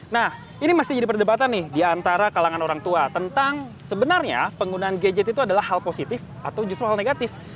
nah ini masih jadi perdebatan nih diantara kalangan orang tua tentang sebenarnya penggunaan gadget itu adalah hal positif atau justru hal negatif